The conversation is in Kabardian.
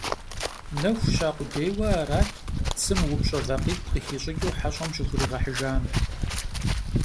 Нэху ща къудейуэ арат цым упщӀэ вакъитӀ къыхищӀыкӀыу хьэщӀэм щыхуригъэхьыжам.